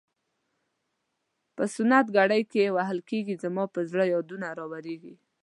په سنت ګرۍ کې وهل کیږي زما پر زړه یادونه راوریږي.